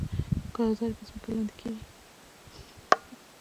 ګازرې په ځمکه کې لاندې کیږي